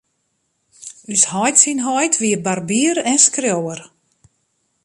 Us heit syn heit wie barbier en skriuwer.